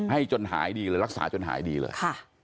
ให้จนหายดีเลยรักษาจนหายดีเลยค่ะ